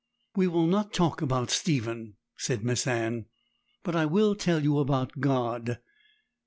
'We will not talk about Stephen,' said Miss Anne; 'but I will tell you about God.